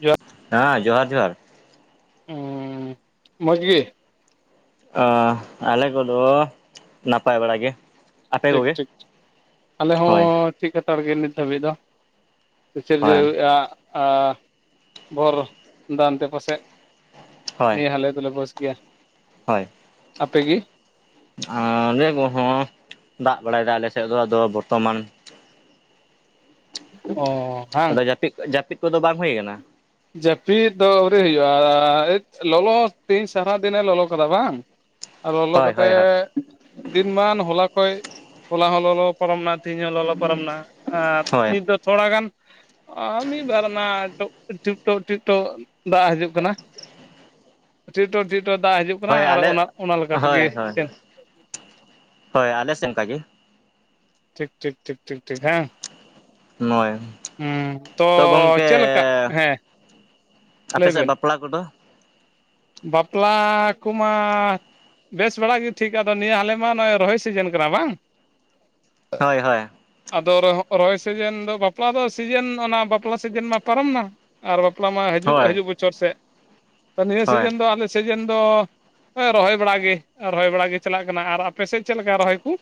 ᱡᱚᱦᱟᱨ ᱦᱮᱸ ᱡᱚᱦᱟᱨ ᱡᱚᱦᱟᱨ᱾ ᱢᱚᱡᱽ ᱜᱮ᱾ ᱟ ᱟᱞᱮ ᱠᱚᱞ ᱱᱟᱯᱟᱭ ᱵᱟᱲᱟ ᱜᱮ᱾ ᱟᱯᱮ ᱴᱷᱤᱠ ᱠᱚᱜᱮ ᱴᱷᱤᱠ ᱴᱷᱤᱠ, ᱟᱞᱮ ᱦᱳᱭ ᱦᱚᱸ ᱴᱷᱤᱠ ᱦᱟᱛᱟᱲ ᱜᱮ ᱱᱤᱛ ᱦᱟᱹᱵᱤᱡ ᱫᱚ᱾ ᱥᱮ ᱪᱮᱫ ᱵᱤᱱ ᱦᱳᱭ ᱟᱹᱜᱩ ᱭᱮᱜᱼᱟ᱾ ᱟᱻᱻ ᱵᱷᱳᱨ ᱫᱟᱱ ᱛᱮ ᱯᱟᱥᱮᱡ ᱦᱳᱭ ᱱᱮ ᱦᱟᱞᱮ ᱫᱚᱞᱮ ᱵᱮᱥ ᱜᱮᱭᱟ, ᱦᱳᱭ, ᱟᱯᱮᱜᱮ [unintelligible] ᱠᱚᱦᱚᱸ ᱫᱟᱜ ᱵᱟᱲᱟᱭᱮᱫᱟ ᱟᱞᱮᱥᱮᱫ ᱫᱚ ᱟᱫᱚ ᱵᱚᱨᱛᱚᱢᱟᱱ ᱾ ᱚᱻ ᱾ ᱟᱫᱚ ᱡᱟᱹᱯᱤᱫ ᱡᱟᱹᱯᱤᱫ ᱠᱚᱫᱚ ᱵᱟᱝ ᱦᱩᱭ ᱟᱠᱟᱱᱟ? ᱡᱟᱹᱯᱤᱫ ᱫᱚ ᱟᱹᱣᱨᱤ ᱦᱩᱭᱩᱜᱼᱟ ᱞᱚᱞᱚ ᱛᱮᱦᱮᱧ ᱥᱟᱨᱟ ᱫᱤᱱᱮ ᱞᱚᱞᱚ ᱠᱟᱫᱟ ᱵᱟᱝ ᱾ [inaudible] ᱟᱨ ᱞᱚᱞᱚ ᱦᱳᱭ ᱠᱟᱛᱮ ᱦᱳᱭ ᱦᱳᱭ ᱫᱤᱱ ᱢᱟᱱ ᱦᱚᱞᱟ ᱠᱷᱚᱡ ᱦᱚᱞᱟ ᱦᱚᱸ ᱞᱚᱞᱚ ᱯᱟᱨᱚᱢ ᱱᱟ ᱛᱤᱦᱤᱧ ᱦᱚᱸ ᱞᱚᱞᱚ ᱯᱟᱨᱚᱢ ᱱᱟ ᱾ ᱟᱨ ᱦᱳᱭ ᱱᱤᱛ ᱫᱚ ᱛᱷᱚᱲᱟ ᱜᱟᱱ ᱢᱤᱫ ᱵᱟᱨ ᱚᱱᱟ ᱴᱚ ᱴᱤ ᱴᱚ ᱴᱤᱴᱚᱜ ᱫᱟᱜ ᱦᱤᱡᱩᱜ ᱠᱟᱱᱟ ᱴᱷᱤᱭᱩ ᱴᱚᱨ ᱴᱷᱤᱭᱩ ᱴᱚᱨ ᱫᱟᱜ ᱦᱤᱡᱩᱜ ᱠᱟᱱᱟ, ᱦᱳᱭ ᱟᱨ ᱟᱞᱮ ᱚᱱᱟ ᱚᱱᱟ ᱞᱮᱠᱟ ᱦᱳᱭ ᱛᱮᱜᱮ᱾ ᱦᱳᱭ ᱦᱳᱭ ᱟᱞᱮ ᱥᱮᱱ ᱚᱱᱠᱟᱜᱮ ᱾ ᱴᱷᱤᱠ ᱴᱷᱤᱠ ᱴᱷᱤᱠ ᱴᱷᱤᱠ ᱴᱷᱤᱠ ᱦᱮᱸ ᱾ ᱱᱚᱭ ᱛᱚ ᱜᱚᱝᱠᱮ ᱪᱮᱫ ᱞᱮᱠᱟ ᱦᱮᱸ ᱟᱯᱮ ᱞᱟᱹᱭ ᱥᱮᱫ ᱵᱮᱱ ᱵᱟᱯᱞᱟ ᱠᱚᱫᱚ? ᱵᱟᱯᱞᱟ ᱠᱚᱢᱟ ᱵᱮᱥ ᱵᱟᱲᱟ ᱜᱮ ᱴᱷᱤᱠ ᱟᱫᱚ ᱱᱤᱭᱟᱹ ᱟᱞᱮ ᱢᱟ ᱱᱚᱜᱼᱚᱭ ᱨᱚᱦᱚᱭ ᱥᱤᱡᱮᱱ ᱠᱟᱱᱟ ᱵᱟᱝ ᱾ ᱦᱳᱭ ᱦᱳᱭ ᱾ ᱟᱫᱚ ᱨᱚᱦᱚᱭ ᱥᱤᱡᱤᱱ ᱫᱚ ᱵᱟᱯᱞᱟ ᱫᱚ ᱥᱤᱡᱮᱱ ᱚᱱᱟ ᱵᱟᱯᱞᱟ ᱥᱤᱡᱤᱱ ᱢᱟ ᱯᱟᱨᱚᱢ ᱮᱱᱟ ᱾ ᱟᱨ ᱵᱟᱯᱞᱟ ᱢᱟ ᱦᱤᱡᱩᱜ ᱦᱳᱭ ᱦᱤᱡᱩᱜ ᱵᱚᱪᱷᱚᱨ ᱥᱮᱫ ᱱᱤᱭᱟᱹ ᱦᱳᱭ ᱥᱤᱡᱮᱱ ᱫᱚ ᱟᱞᱮ ᱥᱤᱡᱮᱱ ᱫᱚ ᱨᱚᱦᱚᱭ ᱵᱟᱲᱟᱜᱮ ᱨᱚᱦᱚᱭ ᱵᱟᱲᱟᱜ ᱜᱮ ᱪᱟᱞᱟᱜ ᱠᱟᱱᱟ, ᱟᱨ ᱟᱯᱮ ᱥᱮᱫ ᱪᱮᱫ ᱞᱮᱠᱟ ᱨᱚᱦᱚᱭ ᱠᱚ?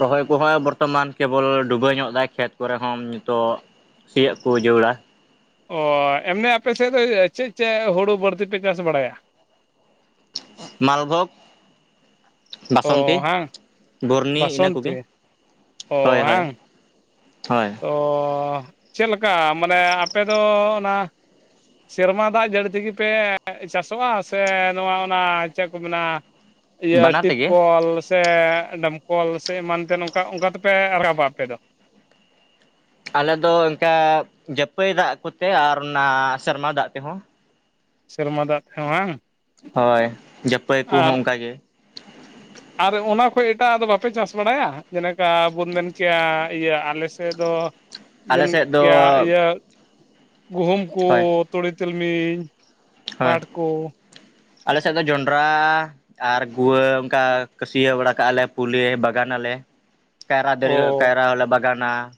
ᱨᱚᱦᱚᱭ ᱠᱚᱦᱚᱸ ᱵᱚᱨᱛᱚᱢᱟᱱ ᱠᱮᱵᱚᱞ ᱰᱩᱵᱟᱹᱣ ᱧᱚᱜ ᱫᱟᱭ ᱠᱷᱮᱛ ᱠᱚᱨᱮ ᱦᱚᱸ ᱱᱤᱛᱚᱜ ᱥᱤᱭᱚᱜ ᱠᱚ ᱡᱚᱹᱲᱟ ᱚ ᱮᱢᱱᱮ ᱟᱯ ᱥᱮᱫ ᱫᱚ ᱪᱮᱫ ᱪᱮᱫ ᱦᱩᱲᱩ ᱵᱟᱹᱲᱛᱤ ᱯᱮ ᱪᱟᱥ ᱵᱟᱲᱟᱭᱟ, ᱢᱟᱞ ᱵᱷᱚᱜ, ᱳᱻ ᱦᱮᱸ ᱾ ᱵᱩᱨᱱᱤ ᱤᱱᱟᱹ ᱠᱚᱜᱮ ᱦᱚᱭ ᱦᱚᱭ ᱦᱳᱭ ᱾ ᱳᱻ ᱪᱮᱫᱞᱮᱠᱟ ᱢᱟᱱᱮ ᱟᱯᱮᱫᱚ ᱚᱱᱟ ᱥᱮᱨᱢᱟ ᱫᱟᱜ ᱡᱟᱹᱲᱤ ᱛᱮᱜᱮ ᱯᱮ ᱪᱟᱥᱚᱜᱼᱟ ᱥᱮ ᱱᱚᱣᱟ ᱚᱱᱟ ᱪᱮᱫ ᱠᱚ ᱢᱮᱱᱟ ᱤᱭᱟᱹ ᱵᱟᱱᱟᱨ ᱛᱮᱜᱮ ᱴᱤᱯᱠᱚᱞ ᱥᱮ ᱰᱚᱢᱠᱚᱞ ᱥᱮ ᱮᱢᱟᱱ ᱛᱮᱱ ᱚᱝᱠᱟ ᱚᱱᱠᱟ ᱛᱮᱯᱮ ᱨᱟᱠᱟᱵ ᱟ ᱟᱯᱮ ᱫᱚ ᱾ ᱟᱞᱮᱫᱚ ᱚᱱᱠᱟ ᱡᱟᱹᱯᱟᱹᱭ ᱫᱟᱜ ᱠᱚᱛᱮ ᱟᱨ ᱚᱱᱟ ᱥᱮᱨᱢᱟ ᱫᱟᱜ ᱛᱮᱦᱚᱸ ᱥᱮᱨᱢᱟ ᱫᱟᱜ ᱛᱮᱦᱚᱸ ᱵᱟᱝ, ᱦᱳᱭ ᱡᱟᱹᱯᱟᱹᱭ ᱠᱚᱦᱚᱸ ᱟᱨ ᱚᱱᱠᱟᱜᱮ ᱾ ᱟᱨ ᱚᱱᱟ ᱠᱷᱚᱡ ᱮᱴᱟᱜ ᱟᱜ ᱫᱚ ᱵᱟᱯᱮ ᱪᱟᱥ ᱵᱟᱲᱟᱭᱟ ᱡᱮᱞᱮᱠᱟ ᱵᱚᱱ ᱢᱮᱱ ᱠᱮᱭᱟ ᱤᱭᱟᱹ ᱟᱞᱮ ᱛᱮᱫᱚ ᱟᱞᱮ ᱤᱭᱟᱹᱢ ᱮᱢ ᱥᱮᱫ ᱫᱚ ᱠᱤᱭᱟᱹ ᱜᱩᱦᱩᱢ ᱠᱚ ᱦᱳᱭ ᱛᱩᱲᱤ ᱛᱤᱞᱢᱤᱧ ᱯᱟᱴ ᱠᱚ ᱟᱞᱮᱥᱮᱫ ᱫᱚ ᱡᱚᱱᱰᱨᱟᱻ ᱾ ᱟᱨ ᱜᱩᱣᱟᱹ ᱚᱱᱠᱟ ᱠᱟᱹᱥᱭᱟᱹ ᱵᱟᱲᱟ ᱠᱟᱜᱼᱟ ᱞᱮ ᱯᱩᱞᱮ ᱵᱟᱜᱟᱱ ᱟᱞᱮ ᱾ ᱠᱟᱭᱨᱟ ᱚ ᱫᱟᱨᱮ ᱠᱟᱭᱨᱟ ᱦᱚᱞᱮ ᱵᱟᱜᱟᱱᱟ ᱾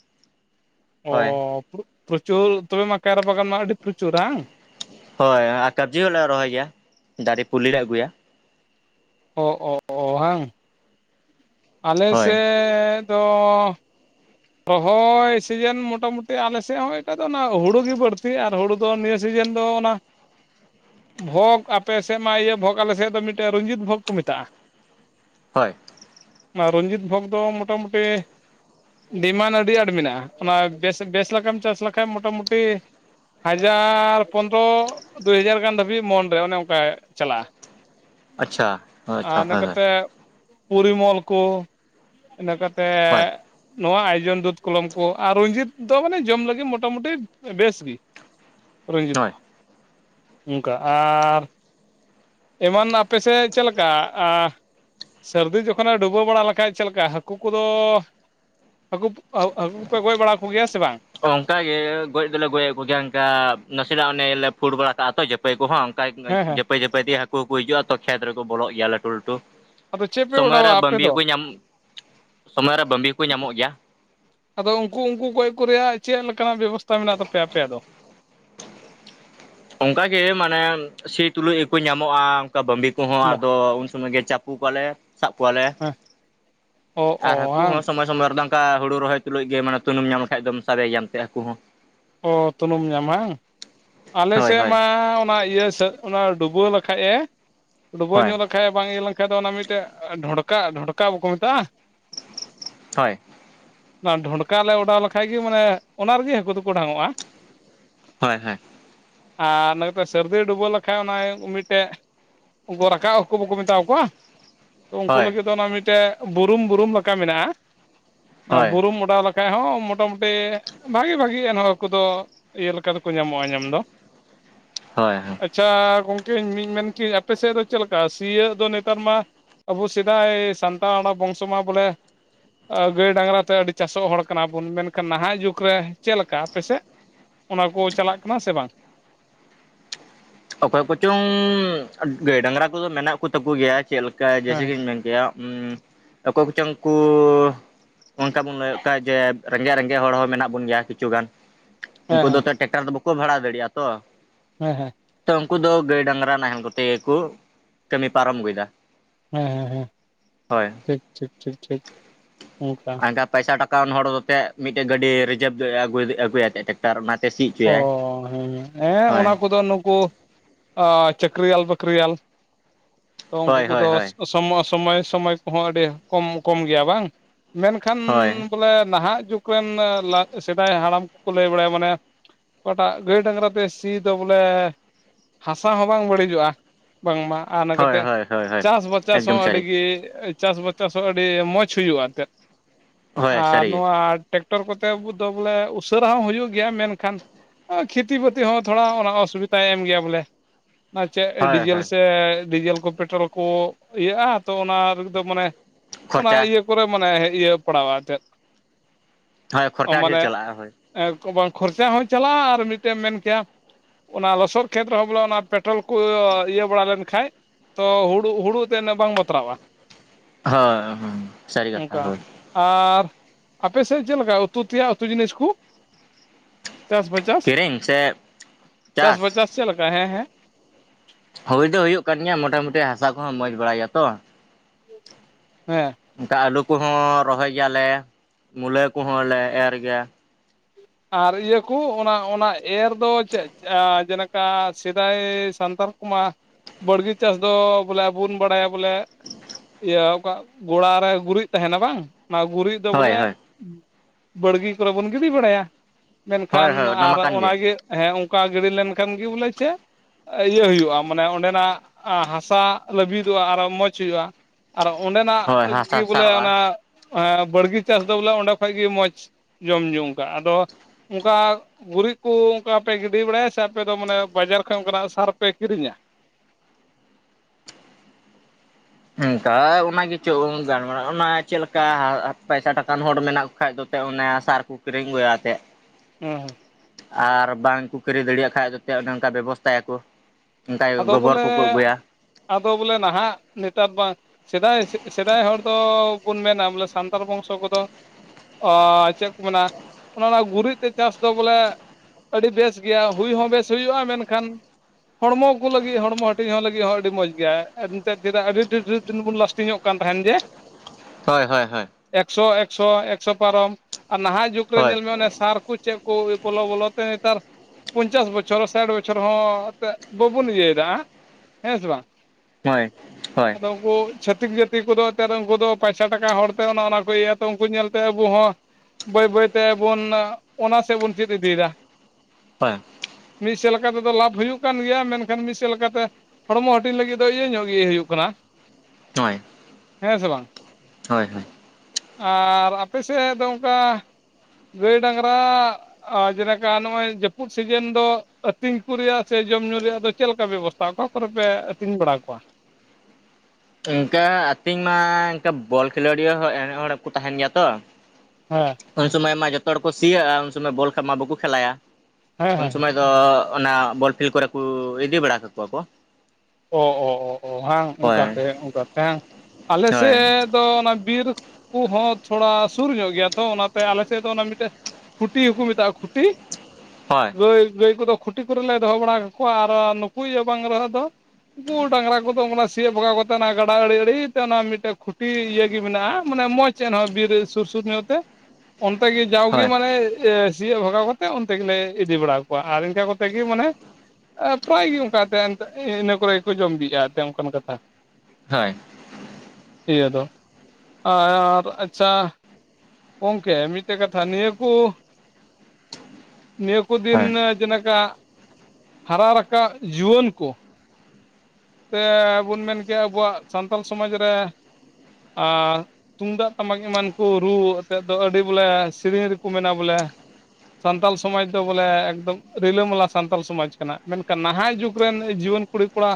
ᱚ ᱯᱨᱚᱪᱚᱨ ᱛᱚᱵᱮ ᱢᱟ ᱠᱟᱭᱨᱟ ᱵᱟᱜᱟᱱ ᱢᱟ ᱟᱹᱰᱤ ᱯᱚᱪᱩᱨ ᱨᱟᱝ ᱾ ᱦᱳᱭ ᱟᱨ ᱠᱟᱵᱽᱡᱤ ᱦᱚᱞᱮ ᱨᱚᱦᱚᱭ ᱜᱮᱭᱟ ᱫᱟᱨᱮ ᱯᱩᱞᱤ ᱞᱮ ᱟᱹᱜᱩᱭᱟ ᱾ ᱚᱼᱚ ᱾ [inaudible] ᱟᱞᱮ ᱦᱳᱭ ᱥᱮᱫᱻ ᱫᱚ ᱨᱚᱦᱚᱭ ᱥᱤᱡᱮᱱ ᱢᱚᱴᱟᱢᱩᱴᱤ ᱟᱞᱮ ᱥᱮᱫ ᱦᱚᱸ ᱥᱮ ᱮᱠᱴᱟ ᱫᱚ ᱚᱱᱟ ᱦᱩᱲᱩ ᱜᱮ ᱵᱟᱹᱲᱛᱤ ᱟᱨ ᱦᱩᱲᱩ ᱫᱚ ᱱᱤᱭᱟᱹ ᱥᱤᱡᱤᱱ ᱫᱚ ᱚᱱᱟ [unintelligible] ᱵᱷᱳᱜ ᱟᱯᱮ ᱥᱮᱫ ᱢᱟ ᱤᱭᱟᱹ ᱵᱷᱳᱜᱽ ᱟᱞᱮ ᱥᱮᱫ ᱫᱚ ᱢᱤᱫᱴᱮᱡ ᱨᱚᱧᱡᱤᱛ ᱵᱷᱳᱜᱽ ᱠᱚ ᱢᱮᱛᱟᱜᱼᱟ ᱾ ᱦᱳᱭ ᱾ ᱚᱱᱟ ᱨᱚᱱᱡᱤᱛ ᱵᱷᱳᱜᱽ ᱫᱚ ᱢᱚᱴᱟᱢᱩᱴᱤ ᱰᱤᱢᱟᱱᱰ ᱟᱹᱰᱤ ᱟᱸᱴ ᱢᱮᱱᱟᱜᱼᱟ ᱚᱱᱟ ᱵᱮᱥ ᱵᱮᱥ ᱞᱮᱠᱟᱢ ᱪᱟᱥ ᱞᱮᱠᱷᱟᱡ ᱢᱳᱴᱟᱢᱩᱴᱤ ᱦᱟᱡᱟᱨ ᱯᱚᱱᱨᱚ ᱫᱩᱭ ᱦᱟᱡᱟᱨ ᱜᱟᱱ ᱫᱷᱟᱹᱵᱤᱡ ᱢᱚᱱᱨᱮ ᱚᱱᱮ ᱚᱱᱠᱟ ᱪᱟᱞᱟᱜᱼᱟ ᱾ ᱟᱪᱪᱷᱟ ᱟᱪᱪᱷᱟ ᱟᱨ ᱤᱱᱟᱹ ᱦᱳᱭ ᱦᱳᱭ ᱠᱟᱛᱮ ᱯᱚᱨᱤᱢᱚᱞ ᱠᱚ ᱤᱱᱟᱹ ᱠᱟᱛᱮ ᱦᱳᱭ ᱱᱚᱣᱟ ᱟᱭᱡᱚᱱ ᱫᱩᱫᱷ ᱠᱚᱞᱚᱢ ᱠᱚ ᱟᱨ ᱨᱚᱧᱡᱤᱛ ᱫᱚ ᱢᱟᱱᱮ ᱡᱚᱢ ᱞᱟᱹᱜᱤᱫ ᱢᱚᱴᱟᱢᱩᱴᱤ ᱵᱮᱥ ᱜᱮ, [unintelligible] [unintelligible] ᱚᱱᱠᱟ ᱟᱨ ᱮᱢᱟᱱ ᱟᱯᱮ ᱥᱮᱫ ᱪᱮᱫ ᱞᱮᱠᱟ ᱟᱸ ᱥᱟᱹᱨᱫᱤ ᱡᱚᱠᱷᱚᱱᱮ ᱰᱩᱵᱟᱹ ᱵᱟᱲᱟ ᱞᱮᱠᱷᱟᱡ ᱪᱮᱫ ᱞᱮᱠᱟ ᱦᱟᱹᱠᱩ ᱠᱚᱫᱚ ᱦᱟᱹᱠᱩ ᱦᱟᱹᱠᱩ ᱠᱚᱯᱮ ᱜᱚᱡ ᱵᱟᱲᱟ ᱠᱚᱜᱮᱭᱟ ᱥᱮ ᱵᱟᱝ? ᱚᱱᱠᱟ ᱜᱮ ᱜᱚᱡ ᱫᱚᱞᱮ ᱜᱚᱡᱮᱫ ᱠᱚᱜᱮᱭᱟ ᱚᱱᱠᱟ ᱱᱟᱥᱮᱱᱟᱜ ᱚᱱᱮ ᱞᱮ ᱯᱷᱩᱲ ᱵᱟᱲᱟ ᱠᱟᱜᱼᱟᱛᱚ ᱡᱟᱯᱩ ᱡᱟᱹᱯᱟᱹᱭ ᱠᱚᱦᱚᱸ ᱚᱱᱠᱟ ᱦᱮᱸ ᱦᱮᱸ ᱡᱟᱹᱯᱟᱹᱭ ᱡᱟᱹᱯᱟᱹᱭ ᱛᱮᱜᱮ ᱦᱟᱹᱠᱩ ᱦᱚᱸᱠᱚ ᱦᱤᱡᱩᱜᱼᱟ ᱛᱚ ᱠᱷᱮᱛ ᱨᱮᱠᱚ ᱵᱚᱞᱚᱜ ᱜᱮᱭᱟ ᱞᱟᱹᱴᱩ ᱞᱟᱹᱴᱩ ᱟᱫᱚ ᱪᱮᱫ ᱯᱮ ᱥᱚᱢᱚᱭ ᱨᱮ ᱚᱰᱟᱣᱟ ᱟᱯᱮ ᱵᱟᱹᱵᱤ ᱫᱚ ᱦᱚᱸᱠᱚ ᱧᱟᱢ ᱥᱚᱢᱚᱭ ᱨᱮ ᱵᱟᱹᱵᱤ ᱦᱚᱸᱠᱚ ᱧᱟᱢᱚᱜ ᱜᱮᱭᱟ ᱾ ᱟᱫᱚ ᱩᱱᱠᱩ ᱩᱱᱠᱩ ᱜᱚᱡ ᱠᱚ ᱨᱮᱭᱟᱜ ᱪᱮᱫ ᱞᱮᱠᱟᱱᱟᱜ ᱵᱮᱵᱚᱥᱛᱟ ᱢᱮᱱᱟᱜ ᱛᱟᱯᱮᱭᱟ ᱟᱯᱮᱭᱟᱜ ᱫᱚ? ᱚᱱᱠᱟ ᱜᱮ ᱢᱟᱱᱮ ᱥᱤ ᱛᱩᱞᱩᱡ ᱜᱮᱠᱚ ᱧᱟᱢᱚᱜᱼᱟ ᱚᱱᱠᱟ ᱵᱟᱺᱵᱤ ᱠᱚᱦᱚᱸ ᱫᱟ ᱟᱫᱚ ᱩᱱ ᱥᱚᱢᱚᱭ ᱜᱮ ᱪᱟᱯ ᱪᱟᱯᱩ ᱠᱚᱣᱟᱞᱮ ᱥᱟᱵ ᱠᱚᱣᱟᱞᱮ ᱦᱮᱸ ᱚ ᱚ ᱟᱨ ᱦᱟᱹᱠᱩ ᱵᱟᱝ ᱦᱚᱸ ᱥᱚᱢ ᱥᱚᱢᱚᱭ ᱨᱮᱫᱚ ᱚᱝᱠᱟ ᱦᱩᱲᱩ ᱨᱚᱦᱚᱭ ᱛᱩᱞᱩᱡ ᱜᱮ ᱢᱟᱱᱮ ᱛᱩᱱᱩᱢ ᱧᱟᱢ ᱞᱮᱠᱷᱟᱱᱡ ᱫᱚ ᱥᱟᱵᱮ ᱜᱮᱭᱟ ᱮᱱᱛᱮᱜ ᱦᱟᱹᱠᱩ ᱦᱚᱸ ᱾ ᱚ ᱛᱩᱱᱩᱢ ᱧᱟᱢ ᱵᱟᱝ ᱟᱞᱮ ᱦᱳᱭ ᱥᱮᱫ ᱦᱳᱭ ᱢᱟ ᱚᱱᱟ ᱤᱭᱟᱹ ᱥᱮᱫ ᱚᱱᱟ ᱰᱩᱵᱟᱹ ᱞᱮᱠᱷᱟᱡ ᱮ ᱰᱩᱵᱟᱹ ᱦᱳᱭ ᱧᱚᱜ ᱵᱟᱝ ᱠᱷᱟᱱ ᱵᱟᱝ ᱤᱭᱟᱹ ᱞᱮᱱᱠᱷᱟᱡ ᱫᱚ ᱚᱱᱟ ᱢᱤᱫᱴᱮᱡ ᱰᱷᱚᱲᱠᱟ ᱰᱷᱚᱲᱠᱟ ᱵᱟᱠᱚ ᱢᱮᱛᱟᱜᱼᱟ, ᱦᱳᱭ ᱚᱱᱟ ᱰᱷᱚᱲᱠᱟ ᱞᱮ ᱚᱰᱟᱣ ᱞᱮᱠᱷᱟᱡ ᱜᱮ ᱢᱟᱱᱮ ᱚᱱᱟ ᱨᱮᱜᱮ ᱦᱟᱹᱠᱩ ᱫᱚᱠᱚ ᱰᱷᱟᱝᱚᱜᱼᱟ ᱾ ᱦᱳᱭ ᱦᱳᱭ ᱾ ᱟᱨ ᱱᱚᱛᱮ ᱥᱟᱹᱨᱫᱤ ᱰᱩᱵᱟᱹᱣ ᱞᱮᱠᱷᱟᱡ ᱚᱱᱟ ᱢᱤᱫᱴᱮᱡ ᱩᱱᱠᱩ ᱨᱟᱠᱟᱵ ᱦᱟᱹᱠᱩ ᱵᱟᱠᱚ ᱢᱮᱛᱟᱣ ᱠᱚᱣᱟ ᱛᱚ ᱩᱱᱠᱩ ᱦᱳᱭ ᱞᱟᱹᱜᱤᱫ ᱫᱚ ᱚᱱᱟ ᱢᱤᱫᱴᱮᱡ ᱵᱩᱨᱩᱢ ᱵᱩᱨᱩᱢ ᱞᱮᱠᱟ ᱢᱮᱱᱟᱜᱼᱟ ᱚᱱᱟ ᱦᱳᱭ ᱵᱩᱨᱩᱢ ᱚᱰᱟᱣ ᱞᱮᱠᱷᱟᱡ ᱦᱚᱸ ᱢᱚᱴᱟᱢᱩᱴᱤ ᱵᱷᱟᱜᱤ ᱵᱷᱟᱜᱤ ᱵᱷᱟᱹᱜᱤ ᱮᱱᱦᱚᱸ ᱦᱟᱹᱠᱩ ᱫᱚ ᱤᱭᱟᱹ ᱞᱮᱠᱟ ᱧᱟᱢᱚᱜᱼᱟ ᱧᱟᱢ ᱫᱚ ᱾ ᱦᱳᱭ ᱦᱳᱭ ᱾ ᱟᱪᱪᱷᱟ ᱜᱚᱢᱠᱮ ᱢᱮᱱ ᱠᱟᱹᱧ ᱟᱯᱮ ᱥᱮᱫ ᱫᱚ ᱪᱮᱫ ᱞᱮᱠᱟ ᱥᱤᱭᱳᱜ ᱫᱚ ᱱᱮᱛᱟᱨ ᱢᱟ ᱟᱵᱚ ᱥᱮᱫᱟᱭ ᱥᱟᱱᱛᱟᱲ ᱦᱚᱲᱟᱜ ᱵᱚᱝᱥᱚ ᱢᱟ ᱵᱚᱞᱮ ᱜᱟᱹᱭ ᱰᱟᱝᱨᱟ ᱛᱮ ᱟᱹᱰᱤ ᱪᱟᱥᱚᱜ ᱦᱚᱲ ᱠᱟᱱᱟ ᱵᱚᱱ ᱢᱮᱱᱠᱷᱟᱱ ᱱᱟᱦᱟᱜ ᱡᱩᱜᱽ ᱨᱮ ᱪᱮᱫ ᱞᱮᱠᱟ ᱟᱯᱮ ᱥᱮᱫ ᱚᱱᱟ ᱠᱚ ᱪᱟᱞᱟᱜ ᱠᱟᱱᱟ ᱥᱮ ᱵᱟᱝ? ᱚᱠᱚᱭ ᱠᱚᱪᱚᱝ ᱜᱟᱹᱭ ᱰᱟᱝᱨᱟ ᱠᱚᱫᱚ ᱢᱮᱱᱟᱜ ᱠᱚᱛᱟᱠᱚ ᱜᱮᱭᱟ ᱪᱮᱫ ᱞᱮᱠᱟ ᱡᱮᱥᱮ ᱦᱮᱸ ᱠᱤᱧ ᱢᱮᱱ ᱠᱮᱭᱟ ᱩᱸ ᱚᱠᱚᱭ ᱠᱚᱪᱚᱝ ᱠᱩ ᱚᱱᱠᱟ ᱵᱚᱱ ᱞᱟᱹᱭᱮᱫ ᱡᱮ ᱨᱮᱸᱜᱮᱡ ᱨᱮᱸᱜᱮᱡ ᱦᱚᱲ ᱦᱚᱸ ᱢᱮᱱᱟᱜ ᱵᱚᱱ ᱜᱮᱭᱟ ᱠᱤᱪᱷᱩ ᱜᱟᱱ ᱾ ᱦᱮᱸ ᱩᱱᱠᱩ ᱫᱚ ᱦᱮᱸ ᱛᱚ ᱴᱮᱠᱴᱟᱨ ᱫᱚ ᱵᱟᱠᱚ ᱵᱷᱟᱲᱟ ᱫᱟᱲᱮᱭᱟᱜᱼᱟ ᱛᱚ ᱾ ᱦᱮᱸ ᱦᱮᱸ ᱛᱚ ᱩᱱᱠᱩ ᱫᱚ ᱜᱟᱹᱭ ᱰᱟᱝᱨᱟ ᱱᱟᱦᱮᱞ ᱠᱚᱛᱮ ᱜᱮᱠᱚ ᱠᱟᱹᱢᱤ ᱯᱟᱨᱚᱢ ᱟᱹᱜᱩᱭᱮᱫᱟ᱾ ᱦᱮᱸ ᱦᱮᱸ ᱦᱮᱸ ᱦᱳᱭ ᱴᱷᱤᱠ ᱴᱷᱤᱠ ᱴᱷᱤᱠ ᱴᱷᱤᱠ ᱚᱱᱠᱟ᱾ ᱯᱟᱭᱥᱟ ᱴᱟᱠᱟᱣᱟᱱ ᱦᱚᱲ ᱛᱮᱫ ᱢᱤᱫᱴᱮᱱ ᱜᱟᱹᱰᱤ ᱨᱤᱡᱟᱹᱵ ᱟᱹᱜᱩᱭ ᱟᱹᱜᱩᱭᱟ ᱟᱨ ᱚᱱᱟᱛᱮ ᱥᱤ ᱚ ᱦᱚᱪᱚᱭᱟᱭ ᱦᱮᱸ ᱦᱮᱸ ᱦᱳᱭ ᱚᱱᱟ ᱠᱚᱫᱚ ᱱᱩᱠᱩ ᱪᱟᱹᱠᱨᱤᱭᱟᱞ ᱵᱟᱹᱠᱨᱤᱭᱟᱞ ᱛᱚ ᱩᱱᱠᱩ ᱦᱳᱭ ᱠᱚᱫᱚ ᱦᱳᱭ ᱦᱳᱭ ᱥᱚᱢ ᱥᱚᱢᱚᱭ ᱥᱚᱢᱚᱭ ᱠᱚᱦᱚᱸ ᱟᱹᱰᱤ ᱠᱚᱢ ᱠᱚᱢ ᱜᱮᱭᱟ ᱵᱟᱝ ᱢᱮᱱ ᱠᱷᱟᱱ ᱦᱳᱭ ᱵᱚᱞᱮ ᱱᱟᱦᱟᱜ ᱡᱩᱜᱽ ᱨᱮᱱ ᱥᱮᱫᱟᱭ ᱦᱟᱲᱟᱢ ᱠᱚᱠᱚ ᱞᱟᱹᱭ ᱵᱟᱲᱟᱭᱟ ᱢᱟᱱᱮ ᱚᱠᱟᱴᱟᱜ ᱜᱟᱹᱭ ᱰᱟᱝᱨᱟ ᱛᱮ ᱥᱤ ᱫᱚ ᱵᱚᱞᱮ ᱦᱟᱥᱟ ᱦᱚᱸ ᱵᱟᱝ ᱵᱟᱹᱲᱤᱡᱚᱜ-ᱟ᱾ ᱵᱟᱝᱢᱟ ᱚᱱᱟ ᱦᱳᱭ ᱠᱟᱛᱮᱜ ᱦᱳᱭ ᱦᱳᱭ ᱦᱳᱭ ᱪᱟᱥ ᱵᱟᱪᱟᱥ ᱮᱠᱫᱚᱢ ᱦᱚᱸ ᱥᱟᱹᱨᱤ ᱟᱹᱰᱤᱜᱮ ᱪᱟᱥ ᱵᱟᱪᱟᱥ ᱦᱚᱸ ᱟᱹᱰᱤ ᱢᱚᱡᱽ ᱦᱩᱭᱩᱜ-ᱟ ᱮᱱᱛᱮᱫ᱾ ᱦᱳᱭ ᱟᱨ ᱥᱟᱹᱨᱤ ᱜᱮ ᱱᱚᱣᱟ ᱴᱮᱠᱴᱚᱨ ᱠᱚᱛᱮ ᱫᱚ ᱵᱚᱞᱮ ᱩᱥᱟᱹᱨᱟ ᱦᱚᱸ ᱦᱩᱭᱩᱜ ᱜᱮᱭᱟ ᱢᱮᱱ ᱠᱷᱟᱱ ᱠᱷᱮᱛᱤ ᱯᱟᱹᱛᱤ ᱦᱚᱸ ᱛᱷᱚᱲᱟ ᱚᱱᱟ ᱚᱥᱩᱵᱤᱫᱟᱭ ᱮᱢ ᱜᱮᱭᱟ ᱵᱚᱞᱮ᱾ ᱟ ᱪᱮᱜ ᱦᱳᱭ ᱰᱤᱡᱮᱞ ᱦᱳᱭ ᱥᱮ ᱰᱤᱡᱮᱞ ᱠᱚ ᱯᱮᱴᱨᱳᱞ ᱠᱚ ᱤᱭᱟᱹᱜᱼᱟ ᱛᱚ ᱚᱱᱟ ᱨᱮᱫᱚ ᱢᱟᱱᱮ ᱚᱱᱟ ᱠᱷᱚᱨᱪᱟ ᱤᱭᱟᱹ ᱠᱚᱨᱮ ᱢᱟᱱᱮ ᱤᱭᱟᱹ ᱯᱟᱲᱟᱣᱟ ᱮᱱᱛᱮᱫ᱾ ᱦᱳᱭ ᱠᱷᱚᱨᱪᱟ ᱰᱷᱮᱨ ᱢᱟᱱᱮ ᱪᱟᱞᱟᱜ-ᱟ ᱦᱳᱭ᱾ ᱵᱟᱝ ᱠᱷᱚᱨᱪᱟ ᱦᱚᱸ ᱪᱟᱞᱟᱜ-ᱟ ᱟᱨ ᱢᱤᱫᱴᱮᱱᱮᱢ ᱢᱮᱱ ᱠᱮᱭᱟ ᱚᱱᱟ ᱞᱚᱥᱚᱫ ᱠᱷᱮᱛ ᱨᱮᱦᱚᱸ ᱵᱚᱞᱮ ᱚᱱᱟ ᱯᱮᱴᱨᱚᱞ ᱠᱚ ᱤᱭᱟᱹ ᱵᱟᱲᱟ ᱞᱮᱱᱠᱷᱟᱡ ᱛᱚ ᱦᱩᱲᱩ ᱦᱩᱲᱩ ᱛᱮᱱ ᱩᱱᱟᱜ ᱵᱟᱝ ᱵᱚᱛᱚᱨᱟᱜ-ᱟ᱾ ᱦᱳᱭ ᱦᱳᱭ ᱥᱟᱹᱨᱤ ᱠᱟᱛᱷᱟ ᱚᱱᱠᱟ ᱦᱳᱭ᱾ ᱟᱨ ᱟᱯᱮ ᱥᱮᱫ ᱪᱮᱫ ᱞᱮᱠᱟ ᱩᱛᱩ ᱛᱮᱭᱟᱜ ᱩᱛᱩ ᱡᱤᱱᱤᱥ ᱠᱩ? ᱪᱟᱥ ᱠᱤᱨᱤᱧ ᱥᱮ [inaudible] ᱪᱟᱥ [inaudible] ᱪᱟᱥ [inaudible] ᱪᱮᱫ ᱞᱮᱠᱟ ᱦᱮᱸ ᱦᱮᱸ? ᱦᱩᱭ ᱫᱚ ᱦᱩᱭᱩᱜ ᱠᱟᱱ ᱜᱤᱭᱟ ᱢᱚᱴᱟᱢᱩᱴᱤ ᱦᱟᱥᱟ ᱠᱚᱦᱚᱸ ᱢᱚᱸᱡᱽ ᱵᱟᱲᱟ ᱜᱮᱭᱟ ᱛᱚ ᱦᱮᱸ- ᱫᱟᱜ ᱟᱹᱞᱩ ᱠᱚᱸᱦᱚ ᱨᱚᱦᱚᱭ ᱜᱮᱭᱟ ᱞᱮ ᱢᱩᱞᱟᱹ ᱠᱚᱦᱚᱸ ᱞᱮ ᱮᱨ ᱜᱮᱭᱟ ᱟᱨ ᱤᱭᱟᱹ ᱠᱩ ᱚᱱᱟ ᱚᱱᱟ ᱮᱨ ᱫᱚ ᱪᱮᱫ ᱡᱮᱱᱮᱠᱟ ᱥᱮᱫᱟᱭ ᱥᱟᱱᱛᱟᱞ [inaudible] ᱵᱟᱲᱹᱜᱤ ᱪᱟᱥ ᱫᱚ ᱵᱚᱞᱮ ᱟᱵᱩ ᱵᱩᱱ ᱵᱟᱲᱟᱭᱟ ᱵᱚᱞᱮ ᱤᱭᱟᱹ ᱚᱠᱟ ᱜᱚᱲᱟ ᱨᱮ ᱜᱩᱨᱤᱡ ᱛᱟᱸᱦᱮᱱᱟ ᱵᱟᱝ ᱚᱱᱟ ᱜᱩᱨᱤᱡ ᱫᱚ ᱦᱳᱭ ᱵᱚᱞᱮ ᱦᱳᱭ ᱵᱟᱹᱲᱜᱤ ᱠᱚᱨᱮ ᱵᱚᱱ ᱜᱤᱰᱤ ᱵᱟᱲᱟᱭᱟ ᱦᱳᱭ ᱢᱮᱱᱠᱷᱟᱱ ᱦᱳᱭ ᱚᱱᱟ ᱟᱨ ᱢᱟ ᱠᱟᱱ ᱜᱮ ᱚᱱᱟᱜᱮ ᱦᱮᱸ ᱚᱱᱠᱟ ᱜᱤᱰᱤ ᱞᱮᱱᱠᱷᱟᱱ ᱜᱮ ᱪᱮ ᱤᱭᱟᱹ ᱦᱩᱭᱩᱜᱼᱟ ᱢᱟᱱᱮ ᱚᱸᱰᱮᱱᱟᱜ ᱦᱟᱥᱟ ᱞᱟᱹᱵᱤᱫᱚᱜᱼᱟ ᱟᱨᱚ ᱢᱚᱸᱡᱽ ᱦᱩᱭᱩᱜᱼᱟ ᱟᱨ ᱚᱸᱰᱮᱱᱟᱜ ᱦᱳᱭ ᱜᱤ ᱦᱟᱥᱟ ᱵᱚᱞᱮ ᱥᱟᱨᱚᱜᱼᱟ ᱚᱱᱟ ᱮᱸ ᱵᱟᱲᱜᱤ ᱪᱟᱥ ᱫᱚ ᱵᱚᱞᱮ ᱚᱸᱰᱮ ᱠᱷᱚᱡ ᱜᱮ ᱢᱚᱸᱡᱽ ᱡᱚᱢ ᱧᱩ ᱠᱟᱜ ᱟᱫᱚ ᱩᱝᱠᱟ ᱜᱩᱨᱤᱡ ᱠᱩ ᱚᱝᱠᱟ ᱯᱮ ᱜᱤᱰᱤ ᱵᱟᱲᱟᱭᱟ ᱥᱮ ᱟᱯᱮ ᱫᱚ ᱢᱟᱱᱮ ᱵᱟᱡᱟᱨ ᱠᱷᱚᱡ ᱚᱱᱠᱟᱱᱟᱜ ᱥᱟᱨ ᱯᱮ ᱠᱤᱨᱤᱧᱟ? ᱚᱱᱠᱟ ᱚᱱᱟ ᱜᱮᱪᱚ [inaudible] ᱚᱱᱟ ᱪᱤᱫᱞᱮᱠᱟ ᱯᱟᱭᱥᱟ ᱴᱟᱠᱟᱠᱟᱱ ᱦᱚᱲ ᱢᱮᱱᱟᱜ ᱠᱚᱣᱟ ᱵᱟᱠᱷᱟᱡ ᱫᱚ ᱛᱮᱜ ᱚᱱᱮ ᱥᱟᱨ ᱠᱚ ᱠᱤᱨᱤᱧ ᱟᱹᱜᱩᱭᱟ ᱟᱛᱮᱫ ᱦᱩᱸ ᱟᱨ ᱵᱟᱝᱠᱚ ᱠᱤᱨᱤᱧ ᱫᱟᱲᱤᱭᱟᱜ ᱠᱷᱟᱡ ᱡᱟᱛᱮ ᱚᱱᱮ ᱚᱱᱠᱟ ᱵᱮᱵᱚᱥᱛᱟᱭᱟ ᱠᱚ ᱟᱫᱚ ᱵᱚᱞᱮ ᱟᱫᱚ ᱵᱚᱞᱮ ᱱᱟᱦᱟᱜ ᱱᱮᱛᱟᱨ ᱵᱟᱝ ᱥᱮᱫᱟᱭ [inaudible] ᱥᱮᱫᱟᱭ ᱦᱚᱲ ᱫᱚ ᱵᱚᱱ ᱢᱮᱱᱟ ᱵᱚᱞᱮ ᱥᱟᱱᱛᱟᱲ ᱵᱚᱝᱥᱚ ᱠᱚᱫᱚ ᱚᱻ ᱪᱮᱫ ᱠᱚ ᱢᱮᱱᱟ ᱚᱱᱮ ᱚᱱᱟ ᱜᱩᱨᱤᱡ ᱛᱮ ᱪᱟᱥ ᱫᱚ ᱵᱚᱞᱮ ᱟᱹᱰᱤ ᱵᱮᱥ ᱜᱮᱭᱟ ᱦᱩᱭ ᱦᱚᱸ ᱵᱮᱥ ᱜᱮ ᱦᱩᱭᱩᱜᱼᱟ ᱢᱮᱱᱠᱷᱟᱱ ᱦᱚᱲᱢᱚ ᱩᱱᱠᱩ ᱞᱟᱹᱜᱤᱫ ᱦᱚᱲᱢᱚ ᱦᱟᱹᱴᱤᱧ ᱦᱚᱸ ᱞᱟᱹᱜᱤᱫ ᱦᱚᱸ ᱟᱹᱰᱤ ᱢᱚᱸᱡᱽ ᱜᱮᱭᱟ ᱮᱱᱛᱮᱫ ᱪᱮᱫᱟᱜ ᱟᱹᱰᱤ ᱰᱷᱮᱨ ᱰᱷᱮᱨ ᱫᱤᱱ ᱵᱚᱱ ᱞᱟᱥᱴᱤᱝ ᱚᱜ ᱠᱟᱱ ᱛᱟᱦᱮᱱ ᱡᱮ ᱦᱚᱭ ᱦᱚᱭ ᱦᱚᱭ ᱾ ᱮᱠᱥᱚ ᱮᱠᱥᱚ ᱮᱠᱥᱚ ᱯᱟᱨᱚᱢ ᱟᱨ ᱱᱟᱦᱟᱜ ᱡᱩᱜᱽ ᱨᱮ ᱦᱳᱭ ᱧᱮᱞ ᱢᱮ ᱚᱱᱮ ᱥᱟᱨ ᱠᱚ ᱪᱮᱜ ᱠᱚ ᱵᱚᱞᱚ ᱵᱚᱞᱚ ᱛᱮ ᱦᱮᱛᱟᱨ ᱯᱚᱧᱪᱟᱥ ᱵᱚᱪᱷᱚᱨ ᱥᱟᱴ ᱵᱚᱪᱷᱚᱨ ᱦᱚᱸ [unintelligible] ᱵᱟᱵᱚᱱ ᱤᱭᱟᱹ ᱮᱫᱟ ᱦᱮᱸ ᱥᱮ ᱵᱟᱝ ᱾ ᱦᱚᱭ ᱦᱚᱭ ᱾ ᱩᱱᱠᱩ ᱪᱷᱟᱹᱛᱤᱠ ᱡᱟᱹᱛᱤ ᱠᱚᱫᱚ ᱮᱱᱛᱮᱫ ᱩᱱᱠᱩ ᱫᱚ ᱯᱟᱭᱥᱟ ᱴᱟᱠᱟ ᱦᱚᱲᱛᱮ ᱚᱱᱟ ᱚᱱᱟ ᱠᱚ ᱤᱭᱟᱹᱭᱟ ᱛᱚ ᱩᱱᱠᱩ ᱧᱮᱞᱛᱮ ᱟᱵᱚ ᱦᱚᱸ ᱵᱟᱹᱭ ᱵᱟᱹᱭ ᱛᱮᱵᱚᱱ ᱚᱱᱟ ᱥᱮᱜ ᱵᱩᱱ ᱪᱮᱫ ᱤᱫᱤᱭᱮᱫᱟ ᱾ ᱦᱚᱭ ᱢᱤᱜ ᱥᱮᱜ ᱞᱮᱠᱟ ᱛᱮᱫᱚ ᱞᱟᱵᱷ ᱦᱩᱭᱩᱜ ᱠᱟᱱ ᱜᱤᱭᱟ ᱢᱮᱱᱠᱷᱟᱱ ᱢᱤᱫᱥᱮᱜ ᱞᱮᱠᱟᱛᱮ ᱦᱚᱲᱢᱚ ᱦᱟᱹᱴᱤᱧ ᱞᱟᱹᱜᱤᱫ ᱫᱚ ᱤᱭᱟᱹ ᱧᱚᱜ ᱜᱮ ᱦᱩᱭᱩᱜ ᱠᱟᱱᱟ ᱾ ᱦᱳᱭ ᱦᱮᱸ ᱥᱮ ᱵᱟᱝ ᱦᱳᱭ ᱦᱳᱭ ᱾ ᱟᱨ ᱟᱯᱮ ᱥᱮᱜ ᱫᱚ ᱚᱱᱠᱟ ᱜᱟᱹᱭ ᱰᱟᱝᱨᱟ ᱟᱨ ᱡᱮᱞᱮᱠᱟ ᱱᱚᱜᱼᱚᱭ ᱡᱟᱹᱯᱩᱫ ᱥᱤᱡᱮᱱ ᱫᱚ ᱟᱹᱛᱤᱧ ᱠᱩ ᱨᱤᱭᱟᱜ ᱥᱮ ᱡᱚᱢ ᱧᱩ ᱨᱮᱭᱟᱜ ᱫᱚ ᱪᱮᱫ ᱞᱮᱠᱟ ᱵᱮᱵᱚᱥᱛᱷᱟ ᱚᱠᱟ ᱠᱚᱨᱮ ᱯᱮ ᱟᱹᱛᱤᱧ ᱵᱟᱲᱟ ᱠᱚᱣᱟ? ᱤᱱᱠᱟ ᱟᱹᱛᱤᱧ ᱢᱟ ᱤᱱᱠᱟ ᱵᱚᱞ ᱠᱷᱮᱞᱳᱰᱤᱭᱟᱹ ᱦᱚᱸ ᱮᱱᱮᱡ ᱦᱚᱲ ᱠᱚ ᱛᱟᱦᱮᱱ ᱜᱮᱭᱟ ᱛᱚ ᱾ ᱦᱮᱸᱻ ᱩᱱ ᱥᱩᱢᱟᱭ ᱢᱟ ᱡᱚᱛᱚ ᱦᱚᱲ ᱠᱚ ᱥᱤᱭᱟ ᱩᱱ ᱥᱩᱢᱟ ᱵᱚᱞ ᱠᱷᱮᱞ ᱢᱟ ᱵᱟᱠᱚ ᱠᱷᱮᱞᱟᱭᱟ ᱦᱮᱸ ᱩᱱ ᱦᱮᱸ ᱥᱚᱢᱟᱭ ᱛᱚ ᱚᱱᱟ ᱵᱚᱞᱯᱷᱤᱞ ᱠᱚᱨᱮ ᱠᱚ ᱤᱫᱤ ᱵᱟᱲᱟ ᱠᱟᱠᱚᱣᱟᱠᱚ ᱾ ᱦᱳᱭ [unintelligible] ᱦᱳᱭ ᱟᱞᱮᱥᱮᱫ ᱫᱚ ᱚᱱᱟ ᱵᱤᱨ ᱠᱩᱦᱚᱸ ᱛᱷᱚᱲᱟ ᱥᱩᱨ ᱧᱚᱜ ᱜᱤᱭᱟ ᱛᱚ ᱚᱱᱟᱛᱮ ᱟᱞᱮ ᱥᱮᱫ ᱫᱚ ᱚᱱᱟ ᱢᱤᱫᱴᱟ ᱠᱷᱩᱴᱤ ᱦᱚᱸᱠᱚ ᱢᱮᱛᱟᱜᱼᱟ ᱠᱷᱩᱴᱤ ᱾ ᱦᱚᱭ ᱾ ᱜᱟᱹᱭ ᱜᱟᱹᱭ ᱠᱚᱫᱚ ᱠᱷᱩᱴᱤ ᱠᱚᱨᱮ ᱞᱮ ᱫᱚᱦᱚ ᱵᱟᱲᱟ ᱠᱟᱠᱚᱣᱟ ᱟᱨ ᱱᱩᱠᱩ ᱫᱚ ᱵᱟᱝ ᱨᱮᱦᱚᱸ ᱫᱚ ᱩᱱᱠᱩ ᱰᱟᱝᱨᱟ ᱠᱚ ᱫᱚ ᱚᱱᱟ ᱥᱤᱭᱳᱜ ᱵᱷᱟᱜᱟᱣ ᱠᱟᱛᱮ ᱚᱱᱟ ᱜᱟᱰᱟ ᱟᱲᱮ ᱟᱲᱮ ᱛᱮ ᱚᱱᱟ ᱢᱤᱫ ᱴᱮᱱ ᱠᱷᱩᱴᱤ ᱤᱭᱟᱹ ᱜᱮ ᱢᱮᱱᱟᱜᱼᱟ᱾ ᱢᱟᱱᱮ ᱢᱚᱡᱽ ᱪᱮᱫ ᱦᱚᱸ ᱵᱤᱨ ᱥᱩᱨ ᱥᱩᱨ ᱧᱚᱜ ᱛᱮ ᱾ [inaudible] ᱚᱱᱛᱮ ᱜᱮ ᱡᱟᱣᱜᱮ ᱦᱳᱭ ᱢᱟᱱᱮ ᱟᱻᱥᱤᱭᱚᱜ ᱵᱷᱟᱜᱟᱣ ᱠᱟ ᱛᱮ ᱚᱱᱛᱮ ᱜᱮᱞᱮ ᱤᱫᱤ ᱵᱟᱲᱟᱣ ᱠᱚᱣᱟ ᱟᱨ ᱤᱱᱠᱟ ᱠᱚᱛᱮ ᱜᱮ ᱢᱟᱱᱮ ᱯᱨᱟᱭ ᱜᱮ ᱚᱱᱠᱟ ᱮᱱᱛᱮᱫ ᱤᱱᱟᱹ ᱠᱚᱨᱮ ᱜᱮᱠᱚ ᱡᱚᱢ ᱵᱤᱼᱟ ᱮᱱᱛᱮᱫ ᱚᱱᱠᱟᱱ ᱠᱟᱛᱷᱟ ᱦᱚᱭ ᱤᱭᱟᱹ ᱫᱚ ᱟᱨ ᱟᱪᱪᱷᱟ ᱜᱚᱝᱠᱮ ᱢᱤᱫᱴᱮᱡ ᱠᱟᱛᱷᱟ ᱱᱤᱭᱟᱹ ᱠᱚ ᱱᱤᱭᱟᱹ ᱠᱚ ᱫᱤᱱ ᱦᱳᱭ ᱡᱮᱞᱮᱠᱟ ᱦᱟᱨᱟ ᱨᱟᱠᱟᱵ ᱡᱩᱣᱟᱹᱱ ᱠᱚ ᱛᱮᱵᱚᱱ ᱢᱮᱱ ᱠᱮᱭᱟ ᱟᱵᱚᱣᱟᱜ ᱥᱟᱱᱛᱟᱞ ᱥᱚᱢᱟᱡᱽ ᱨᱮ ᱟᱸᱻ ᱛᱩᱢᱫᱟᱜ ᱴᱟᱢᱟᱠ ᱮᱢᱟᱱ ᱠᱚ ᱨᱩ ᱮᱛᱮᱫ ᱫᱚ ᱟᱹᱰᱤ ᱵᱚᱞᱮ ᱥᱮᱨᱮᱧ ᱨᱮᱠᱚ ᱢᱮᱱᱟ ᱵᱚᱞᱮ ᱥᱟᱱᱛᱟᱞ ᱥᱚᱢᱟᱡᱽ ᱫᱚ ᱵᱚᱞᱮ ᱮᱠᱫᱚᱢ ᱨᱤᱞᱟᱹᱢᱟᱞᱟ ᱥᱟᱱᱛᱟᱞ ᱥᱚᱢᱟᱡᱽ ᱠᱟᱱᱟ ᱢᱮᱱᱠᱷᱟᱱ ᱱᱟᱦᱟᱜ ᱡᱩᱜᱽ ᱨᱮᱱ ᱡᱩᱣᱟᱹᱱ ᱠᱩᱲᱤ ᱠᱚᱲᱟ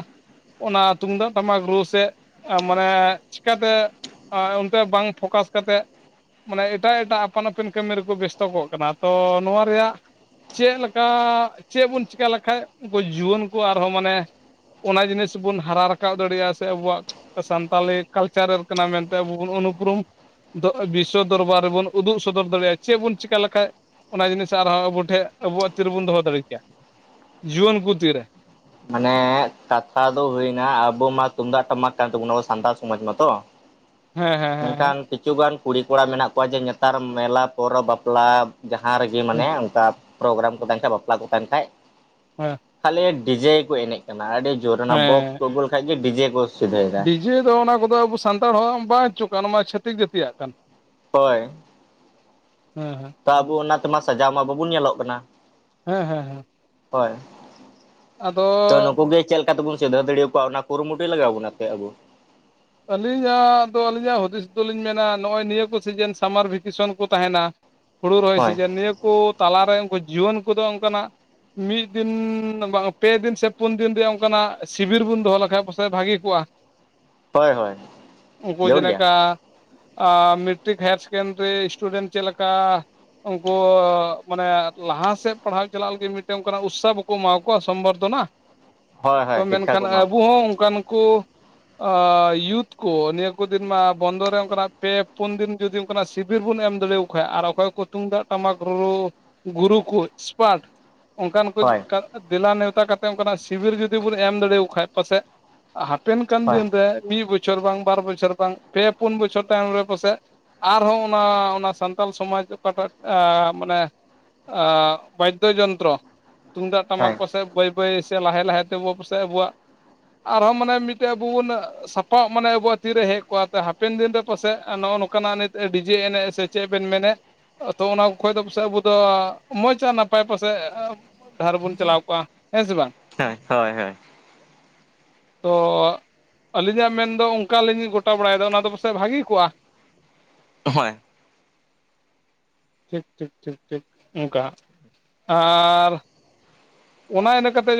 ᱚᱱᱟ ᱛᱩᱢᱫᱟᱜ ᱴᱟᱢᱟᱠ ᱨᱩ ᱥᱮᱫ ᱢᱟᱱᱮ ᱪᱤᱠᱟᱹᱛᱮ ᱟᱨ ᱚᱱᱛᱮ ᱵᱟᱝ ᱯᱷᱳᱠᱟᱥ ᱠᱟᱛᱮᱫ ᱢᱟᱱᱮ ᱮᱴᱟᱜ ᱮᱴᱟᱜ ᱟᱯᱟᱱ ᱟᱹᱯᱤᱱ ᱠᱟᱹᱢᱤ ᱨᱮᱠᱚ ᱵᱮᱥᱛᱚ ᱠᱚᱜ ᱠᱟᱱᱟ ᱛᱚ ᱱᱚᱣᱟ ᱨᱮᱭᱟᱜ ᱪᱮᱫ ᱞᱮᱠᱟ ᱪᱮᱫ ᱵᱚᱱ ᱪᱮᱠᱟ ᱞᱮᱠᱷᱟᱡ ᱩᱱᱠᱩ ᱡᱩᱣᱟᱹᱱ ᱠᱚ ᱟᱨᱦᱚᱸ ᱢᱟᱱᱮ ᱚᱱᱟ ᱡᱤᱱᱤᱥ ᱵᱚᱱ ᱦᱟᱨᱟ ᱨᱟᱠᱟᱵ ᱫᱟᱲᱮᱭᱟᱜᱼᱟ ᱾ ᱥᱮ ᱟᱵᱚᱣᱟᱜ ᱥᱟᱱᱛᱟᱞᱤ ᱠᱟᱞᱪᱟᱨᱟᱞ ᱠᱟᱱᱟ ᱢᱮᱱᱛᱮ ᱟᱵᱚ ᱵᱚᱱ ᱩᱱᱩᱯᱨᱩᱢ ᱫᱚ ᱵᱤᱥᱥᱚ ᱫᱚᱨᱵᱟᱨ ᱨᱮᱵᱚᱱ ᱩᱫᱩᱜ ᱥᱚᱫᱚᱨ ᱫᱟᱲᱮᱭᱟᱜᱼᱟ ᱪᱮᱫ ᱵᱚᱱ ᱪᱤᱠᱟ ᱞᱮᱠᱷᱟᱡ ᱚᱱᱟ ᱡᱤᱱᱤᱥ ᱟᱨᱦᱚᱸ ᱟᱵᱚ ᱴᱷᱮᱜ ᱟᱵᱚᱣᱟᱜ ᱛᱤᱨᱮᱵᱚᱱ ᱫᱚᱦᱚ ᱫᱟᱲᱮ ᱠᱮᱭᱟ ᱡᱩᱣᱟᱹᱱ ᱠᱚ ᱛᱤᱨᱮ ᱢᱟᱱᱮ ᱠᱟᱛᱷᱟ ᱫᱚ ᱦᱩᱭᱱᱟ ᱟᱵᱚ ᱢᱟ ᱛᱩᱢᱫᱟᱜ ᱴᱟᱢᱟᱠ ᱠᱟᱱ ᱛᱟᱵᱚᱱᱟ ᱟᱵᱚ ᱥᱟᱱᱛᱟᱲ ᱥᱚᱢᱟᱡᱽ ᱢᱟᱛᱚ [inaudible] ᱦᱮᱸ ᱦᱮᱸ ᱦᱮᱸ ᱾ ᱢᱮᱱᱠᱷᱟᱱ ᱠᱤᱪᱷᱩ ᱜᱟᱱ ᱠᱩᱲᱤᱼ ᱠᱚᱲᱟ ᱢᱮᱱᱟᱜ ᱠᱚᱣᱟ ᱡᱮ ᱧᱮᱛᱟᱨ ᱢᱮᱞᱟ, ᱯᱚᱨᱚᱵᱽ, ᱵᱟᱯᱞᱟ ᱡᱟᱦᱟᱸ ᱨᱮᱜᱮ ᱢᱟᱱᱮ ᱚᱱᱠᱟ ᱯᱨᱳᱜᱨᱟᱢ ᱠᱚ ᱛᱟᱦᱮᱱ ᱠᱷᱟᱡ ᱵᱟᱯᱞᱟ ᱠᱚ ᱛᱟᱦᱮᱱ ᱠᱷᱟᱡ ᱦᱮᱸ ᱾ ᱠᱷᱟᱞᱤ ᱰᱤᱡᱮ ᱜᱮᱠᱚ ᱮᱱᱮᱡ ᱠᱟᱱᱟ ᱟᱹᱰᱤ ᱡᱳᱨ ᱚᱱᱟ ᱦᱮᱸ ᱵᱚᱠᱥ ᱦᱮᱸ ᱠᱚ ᱟᱹᱜᱩ ᱞᱮᱠᱷᱟᱡ ᱜᱮ ᱰᱤᱡᱮ ᱠᱚ ᱥᱤᱫᱷᱟᱹᱭ ᱮᱫᱟ ᱾ ᱪᱮᱫ ᱦᱚᱸ ᱚᱱᱟ ᱠᱚᱫᱚ ᱟᱵᱚ ᱥᱟᱱᱛᱟᱲ ᱦᱚᱲᱟᱜ ᱵᱟᱝ ᱪᱚ ᱠᱟᱱ ᱢᱟ ᱪᱷᱟᱹᱛᱤᱠ ᱡᱟᱹᱛᱤᱭᱟᱜ ᱠᱟᱱ᱾ ᱦᱳᱭ ᱾ ᱦᱮᱸ ᱦᱮᱸ ᱾ ᱛᱚ ᱟᱵᱚ ᱚᱱᱟ ᱛᱮᱢᱟ ᱥᱟᱡᱟᱣ ᱢᱟ ᱵᱟᱵᱚᱱ ᱧᱮᱞᱚᱜ ᱠᱟᱱᱟ ᱾ ᱦᱮᱸ ᱦᱮᱸ ᱦᱮᱸ ᱾ ᱦᱳᱭ, ᱛᱚ ᱱᱩᱠᱩ ᱜᱮ ᱪᱮᱞ ᱠᱟᱛᱮ ᱛᱮᱵᱚᱱ ᱥᱤᱫᱷᱟᱹ ᱫᱟᱲᱮᱭᱟᱠᱚᱣᱟ ᱚᱱᱟ ᱠᱩᱨᱩᱢᱩᱴᱩ ᱞᱟᱜᱟᱣ ᱵᱚᱱᱟ ᱛᱮ ᱟᱵᱩ ᱾ ᱟᱹᱞᱤᱧᱟᱜ ᱫᱚ ᱟᱹᱞᱤᱧᱟᱜ ᱦᱩᱫᱤᱥ ᱫᱚᱞᱤᱧ ᱢᱮᱱᱟ ᱱᱚᱜᱼᱚᱭ ᱱᱤᱭᱟᱹ ᱠᱚ ᱥᱤᱡᱮᱱ ᱥᱟᱢᱟᱨ ᱵᱷᱮᱠᱮᱥᱚᱱ ᱠᱚ ᱛᱟᱦᱮᱱᱟ ᱾ ᱦᱩᱲᱩ ᱨᱚᱦᱚᱭ ᱦᱳᱭ ᱥᱤᱡᱤᱱ, ᱱᱤᱭᱟᱹ ᱠᱚ ᱛᱟᱞᱟᱨᱮ ᱩᱝᱠᱩ ᱡᱩᱣᱟᱹᱱ ᱠᱚᱫᱚ ᱚᱝᱠᱟᱱᱟᱜ ᱢᱤᱫ ᱫᱤᱱ ᱵᱟᱝ ᱯᱮ ᱫᱤᱱ ᱥᱮ ᱯᱩᱱ ᱫᱤᱱ ᱨᱮᱭᱟᱜ ᱚᱝᱠᱟᱱᱟᱜ ᱥᱤᱵᱤᱨ ᱵᱚᱱ ᱫᱚᱦᱚ ᱞᱮᱠᱷᱟᱡ ᱯᱟᱥᱮᱡ ᱵᱷᱟᱜᱤ ᱠᱚᱜᱼᱟ ᱾ ᱦᱳᱭ ᱦᱳᱭ ᱾ ᱩᱝᱠᱩ ᱡᱮᱞᱮᱠᱟ ᱟᱻ ᱢᱮᱴᱨᱤᱠ ᱦᱟᱭᱟᱨ ᱥᱮᱠᱮᱱᱰᱟᱨᱤ ᱥᱴᱩᱰᱮᱱᱴ ᱪᱮᱫ ᱞᱮᱠᱟ ᱳᱝᱠᱳ ᱢᱟᱱᱮ ᱞᱟᱦᱟᱥᱮᱜ ᱯᱟᱲᱦᱟᱣ ᱪᱟᱞᱟᱜ ᱞᱟᱹᱜᱤᱫ ᱢᱤᱫᱴᱮᱱ ᱚᱱᱠᱟᱱᱟᱜ ᱩᱛᱥᱟᱦᱚ ᱵᱟ ᱠᱚ ᱮᱢᱟ ᱠᱚᱣᱟ ᱥᱚᱝᱵᱚᱨᱫᱷᱚᱱᱟ, ᱦᱳᱭ ᱛᱚ ᱦᱳᱭ ᱥᱤᱠᱠᱷᱟ ᱢᱮᱱᱠᱷᱟᱱ ᱠᱚ ᱮᱢᱟ ᱟᱵᱚ ᱠᱚᱣᱟ ᱦᱚᱸ ᱚᱝᱠᱟᱱ ᱠᱚ ᱟᱻ ᱤᱭᱩᱛ ᱠᱚ ᱱᱤᱭᱟᱹ ᱠᱚ ᱫᱤᱱ ᱢᱟ ᱵᱚᱱᱫᱚ ᱨᱮ ᱚᱝᱠᱟᱱᱟᱜ ᱯᱮ ᱯᱩᱱ ᱫᱤᱱ ᱡᱩᱫᱤ ᱚᱝᱠᱟᱱᱟᱜ ᱥᱤᱵᱤᱨ ᱵᱚᱱ ᱮᱢ ᱫᱟᱲᱮᱭᱟᱣ ᱠᱷᱚᱡ ᱟᱨ ᱚᱠᱚᱭ ᱠᱚ ᱛᱩᱢᱫᱟᱜ ᱴᱟᱢᱟᱠ ᱨᱩᱨᱩ ᱜᱩᱨᱩ ᱠᱩ ᱮᱥᱯᱟᱴ ᱚᱝᱠᱟᱱ ᱠᱚ ᱫᱮᱜ ᱦᱳᱭ ᱠᱟ ᱫᱮᱞᱟ ᱱᱮᱣᱛᱟ ᱠᱟᱛᱮ ᱚᱝᱠᱟᱱᱟᱜ ᱥᱤᱵᱤᱨ ᱡᱩᱫᱤ ᱵᱚᱱ ᱮᱢ ᱫᱟᱲᱮᱣ ᱠᱷᱟᱡ ᱯᱟᱥᱮᱜ ᱦᱟ ᱯᱮᱱ ᱠᱟᱱ ᱦᱳᱭ ᱫᱤᱱ ᱨᱮ ᱢᱤᱫ ᱵᱚᱪᱷᱚᱨ ᱵᱟᱝ ᱵᱟᱨ ᱵᱚᱪᱷᱚᱨ ᱵᱟᱝ ᱯᱮ ᱯᱩᱱ ᱵᱚᱪᱷᱚᱨ ᱛᱟᱭᱚᱢ ᱨᱮ ᱯᱟᱥᱮᱜ ᱟᱨᱦᱚᱸ ᱚᱱᱟ ᱚᱱᱟ ᱥᱟᱱᱛᱟᱞ ᱥᱚᱢᱟᱡᱽ ᱚᱠᱟᱴᱟᱜ ᱟ ᱢᱟᱱᱮ ᱟᱻ ᱵᱟᱫᱽᱫᱚ ᱡᱚᱱᱛᱨᱚ ᱛᱩᱢᱫᱟᱜ ᱴᱟᱢᱟᱠ ᱦᱳᱭ ᱠᱚᱥᱮ ᱵᱟᱹᱭ ᱵᱟᱹᱭ ᱥᱮ ᱞᱟᱦᱟᱭ ᱞᱟᱦᱟᱭ ᱛᱮᱵᱚ ᱯᱟᱥᱮᱜ ᱟᱵᱚᱣᱟᱜ ᱟᱨᱦᱚᱸ ᱢᱟᱱᱮ ᱢᱤᱫᱴᱮᱡ ᱟᱵᱩ ᱵᱚᱱ ᱥᱟᱯᱟᱵ ᱢᱟᱱᱮ ᱟᱵᱚᱣᱟᱜ ᱛᱤᱨᱮ ᱦᱮᱡ ᱠᱚᱜᱼᱟ ᱛᱮ ᱦᱟᱯᱮᱱ ᱫᱤᱱ ᱨᱮ ᱯᱟᱥᱮᱜ ᱱᱚᱜᱼᱚ ᱱᱚᱝᱠᱟᱱᱟᱜ ᱱᱤᱛ ᱰᱤᱡᱮ ᱮᱱᱮᱡ ᱥᱮ ᱪᱮᱫ ᱵᱮᱱ ᱢᱮᱱᱮᱫ, ᱛᱚ ᱚᱱᱟ ᱠᱚ ᱠᱷᱚᱡ ᱫᱚ ᱯᱟᱥᱮᱜ ᱟᱵᱚ ᱫᱚ ᱢᱚᱡᱽ ᱟᱨ ᱱᱟᱯᱟᱭ ᱯᱟᱥᱮᱜ ᱰᱟᱦᱟᱨ ᱵᱚᱱ ᱪᱟᱞᱟᱣ ᱠᱚᱜᱼᱟ, ᱦᱮᱸ ᱥᱮ ᱵᱟᱝ? ᱦᱮᱸ, ᱦᱳᱭ ᱦᱳᱭ ᱾ ᱛᱚᱻ ᱟᱹᱞᱤᱧᱟᱜ ᱢᱮᱱᱫᱚ ᱚᱝᱠᱟᱞᱤᱧ ᱜᱚᱴᱟ ᱵᱟᱲᱟᱭᱮᱫᱟ, ᱚᱱᱟ ᱫᱚ ᱯᱟᱥᱮᱡ ᱵᱷᱟᱹᱜᱤ ᱠᱚᱜᱼᱟ᱾ ᱦᱳᱭ ᱾ ᱴᱷᱤᱠ ᱴᱷᱤᱠ ᱴᱷᱤᱠ ᱴᱷᱤᱠ ᱚᱝᱠᱟ ᱦᱟᱸᱜ, ᱟᱨᱻ ᱚᱱᱟ ᱤᱱᱟᱹ ᱠᱟᱛᱮ ᱡᱟᱹ